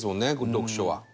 読書は。